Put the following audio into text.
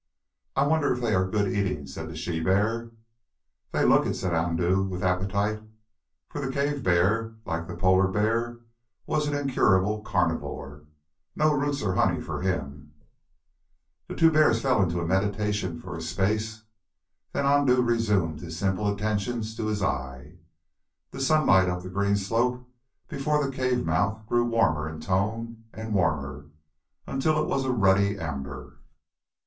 "I wonder if they are good eating?" said the she bear. "They look it," said Andoo, with appetite for the cave bear, like the polar bear, was an incurable carnivore no roots or honey for him. The two bears fell into a meditation for a space. Then Andoo resumed his simple attentions to his eye. The sunlight up the green slope before the cave mouth grew warmer in tone and warmer, until it was a ruddy amber.